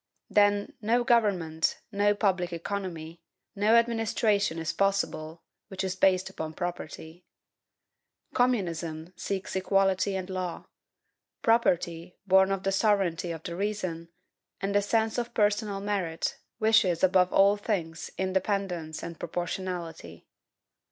Then, no government, no public economy, no administration, is possible, which is based upon property. Communism seeks EQUALITY and LAW. Property, born of the sovereignty of the reason, and the sense of personal merit, wishes above all things INDEPENDENCE and PROPORTIONALITY.